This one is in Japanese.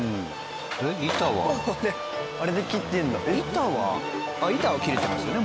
板はあっ板は切れてますよね